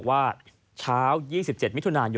เธอเล่าต่อนะครับ